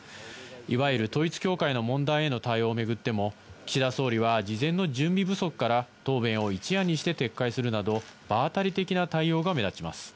いわゆる統一教会の問題への対応を巡っても、岸田総理は事前の準備不足から答弁を一夜にして撤回するなど、場当たり的な対応が目立ちます。